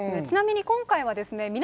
ちなみに今回はですね